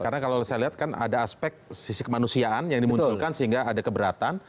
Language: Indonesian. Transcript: karena kalau saya lihat kan ada aspek sisi kemanusiaan yang dimunculkan sehingga ada keberatan